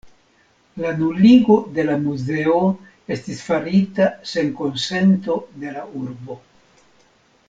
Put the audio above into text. La nuligo de la muzeo estis farita sen konsento de la urbo.